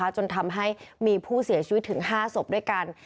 จนทำให้มีผู้เสียชีวิตถึง๕ศพด้วยกัน